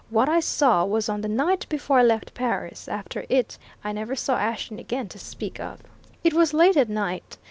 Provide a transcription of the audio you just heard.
"What I saw was on the night before I left Paris after it I never saw Ashton again to speak to. It was late at night.